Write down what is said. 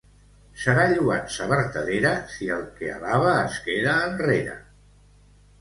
Serà lloança vertadera, si el que alaba es queda enrere.